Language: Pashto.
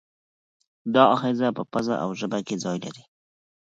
دا آخذه په پزه او ژبه کې ځای لري.